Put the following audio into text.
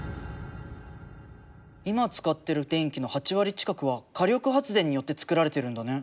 今使ってる電気の８割近くは火力発電によってつくられてるんだね。